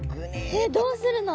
えっどうするの！？